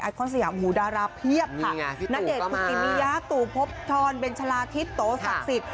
คอนสยามหูดาราเพียบค่ะณเดชนคุกิมิยะตู่พบทรเบนชะลาทิศโตศักดิ์สิทธิ